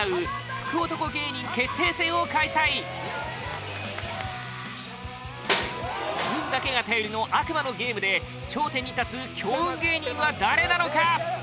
福男芸人決定戦を開催運だけが頼りの悪魔のゲームで頂点に立つ強運芸人は誰なのか？